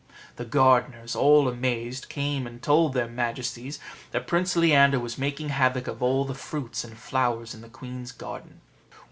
The gardeners, all amazed, came and told their majesties that Prince Leander was making havoc of all the fruits and flowers in the queen's garden.